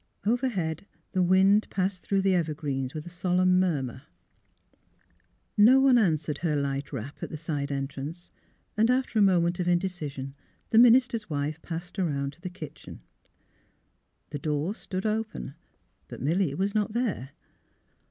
Overhead the wind passed through the evergreens with a solemn murmur. No one answered her light rap at the side en trance, and after a moment of indecision the min ister's wife passed around to the kitchen. The 278 THE HEAET OF PHILURA door stood open; but Milly was not there.